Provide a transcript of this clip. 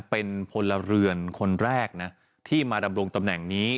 เป็นพลเรือนคนแรกนะที่มาดำรงตำแหน่งนี้